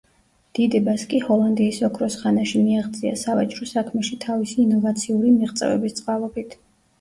დიდებას კი ჰოლანდიის ოქროს ხანაში მიაღწია სავაჭრო საქმეში თავისი ინოვაციური მიღწევების წყალობით.